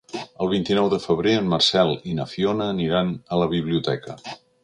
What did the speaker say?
El vint-i-nou de febrer en Marcel i na Fiona aniran a la biblioteca.